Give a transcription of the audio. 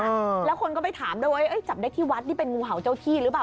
เออแล้วคนก็ไปถามด้วยว่าเอ้ยจับได้ที่วัดนี่เป็นงูเห่าเจ้าที่หรือเปล่า